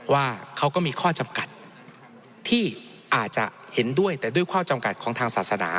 ว่าเขาก็มีข้อจำกัดที่อาจจะเห็นด้วยแต่ด้วยข้อจำกัดของทางศาสนา